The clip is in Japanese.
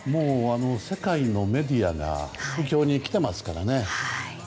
世界のメディアが東京に来ていますからね。